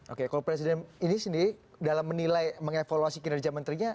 oke kalau presiden ini sendiri dalam menilai mengevaluasi kinerja menterinya